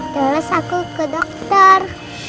terus aku ke dokter